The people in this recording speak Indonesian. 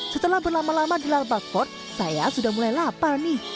setelah berlama lama di lalbag fort saya sudah mulai lapar nih